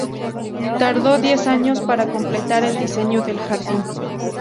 Tardó diez años para completar el diseño del jardín.